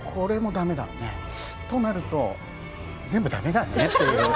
となると、全部だめだねって。